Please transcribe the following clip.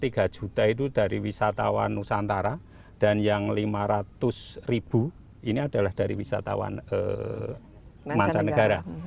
nah ini sekitar tiga juta itu dari wisatawan nusantara dan yang lima ratus ini adalah dari wisatawan mancanegara